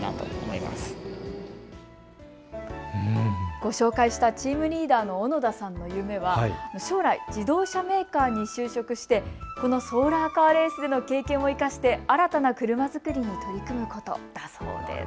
ご紹介したチームリーダーの小野田さんの夢は将来、自動車メーカーに就職してソーラーカーレースでの経験を生かした新たな車作りに取り組むことだそうです。